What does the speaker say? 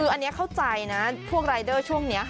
คืออันนี้เข้าใจนะพวกรายเดอร์ช่วงนี้